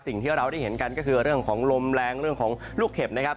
สิ่งที่เราได้เห็นกันก็คือเรื่องของลมแรงเรื่องของลูกเห็บนะครับ